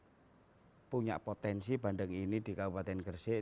kita punya potensi bandeng ini di kabupaten gresik